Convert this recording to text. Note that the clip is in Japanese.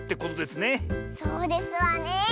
そうですわね！